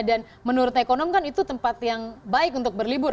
dan menurut ekonom kan itu tempat yang baik untuk berlibur